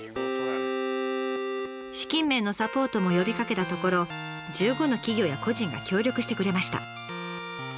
資金面のサポートも呼びかけたところ１５の企業や個人が協力してくれました。